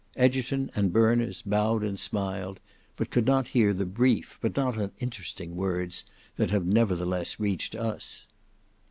Egerton and Berners bowed and smiled, but could not hear the brief but not uninteresting words that have nevertheless reached us.